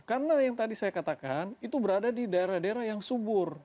karena yang tadi saya katakan itu berada di daerah daerah yang subur